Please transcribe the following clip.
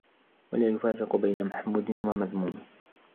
وَلَا يُفَرِّقُ بَيْنَ مَحْمُودٍ وَمَذْمُومٍ